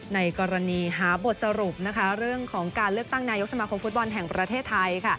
ในกรณีหาบทสรุปเรื่องของการเลือกตั้งนายกสมาคมฟุตบอลแห่งประเทศไทย